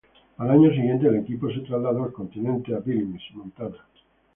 Al año siguiente el equipo se trasladó al continente, a Billings, Montana.